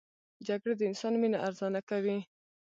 جګړه د انسان وینه ارزانه کوي